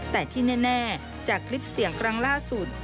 แต่ที่แน่จากคลิปเสียงครั้งล่าสุด